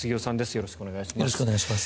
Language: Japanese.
よろしくお願いします。